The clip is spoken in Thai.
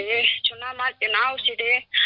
โอเคแน่นนะครับ